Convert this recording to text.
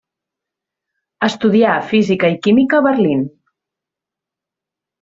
Estudià física i química a Berlín.